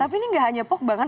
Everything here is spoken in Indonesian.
tapi ini tidak hanya pogba kan